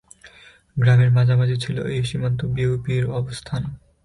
গ্রামের মাঝামাঝি ছিল এ সীমান্ত বিওপি’র অবস্থান।